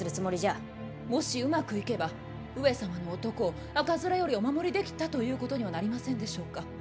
もしうまくいけば上様の男を赤面よりお守りできたということにはなりませんでしょうか。